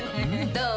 どう？